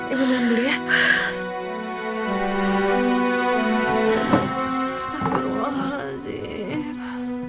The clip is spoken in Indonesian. ibu ibu kenapa sih